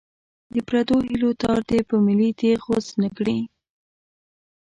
د پردو هیلو تار دې په ملي تېغ غوڅ نه کړي.